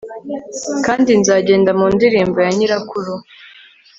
Kandi nzagenda mu ndirimbo ya nyirakuru